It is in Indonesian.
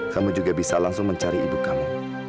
kamu juga bisa langsung mencari ibu kamu